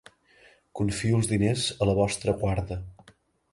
Confio els diners a la vostra guarda.